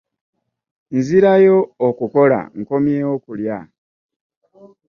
Nzirayo okukola nkomyewo kulya.